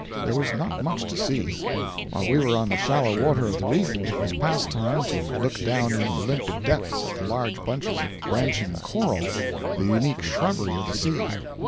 There was not much to see. While we were on the shallow water of the reef, it was pastime to look down into the limpid depths at the large bunches of branching coral—the unique shrubbery of the sea.